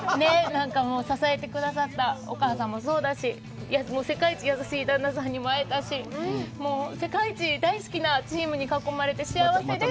支えてくださったお母さんもそうだし、世界一優しい旦那さんにも会えたし、もう世界一大好きなチームに囲まれて、幸せです。